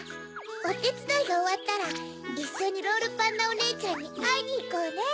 おてつだいがおわったらいっしょにロールパンナおねえちゃんにあいにいこうね！